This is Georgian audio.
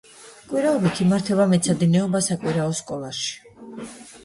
კვირაობით იმართება მეცადინეობა საკვირაო სკოლაში.